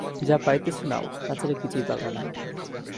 যা পাইতেছো নাও, তাছাড়া কিছুই পাবা না।